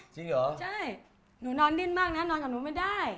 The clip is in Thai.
ใช่หนูต้องนอนโซฟ้า